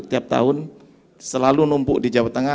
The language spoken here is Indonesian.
tiap tahun selalu numpuk di jawa tengah